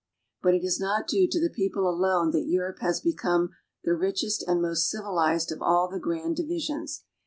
But it is not due to the people alone that Europe has become the richest and most civilized of all the grand divisions.